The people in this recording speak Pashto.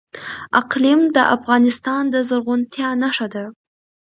اقلیم د افغانستان د زرغونتیا نښه ده.